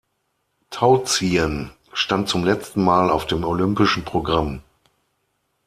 Tauziehen stand zum letzten Mal auf dem olympischen Programm.